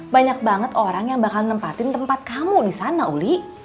banyak banget orang yang bakal nempatin tempat kamu di sana uli